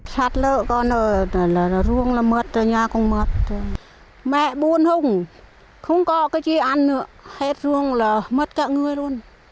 sạt lở con rồi ruông là mất rồi nhà cũng mất rồi mẹ buôn không không có cái gì ăn nữa hết ruông là mất cả người luôn